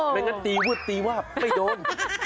ไม่งั้นตีวืดตีวาบไม่โดน